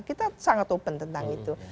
kita sangat open tentang itu